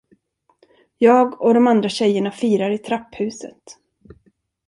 Jag och de andra tjejerna firar i trapphuset.